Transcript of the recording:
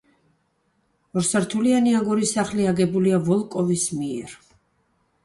ორსართულიანი აგურის სახლი აგებულია ვოლკოვის მიერ.